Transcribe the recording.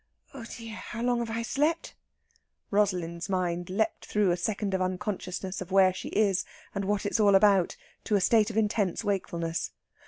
"Oh dear! how long have I slept?" Rosalind's mind leaped through a second of unconsciousness of where she is and what it's all about to a state of intense wakefulness.